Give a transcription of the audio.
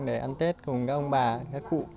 để ăn tết cùng các ông bà các cụ